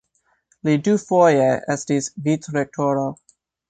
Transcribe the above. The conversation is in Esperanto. Li dufoje estis vicrektoro.